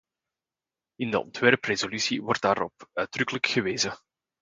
In de ontwerpresolutie wordt daarop uitdrukkelijk gewezen.